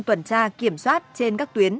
tuần tra kiểm soát trên các tuyến